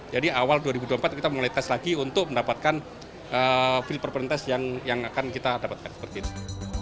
jadi awal dua ribu dua puluh empat kita mulai tes lagi untuk mendapatkan field performance test yang akan kita dapatkan seperti ini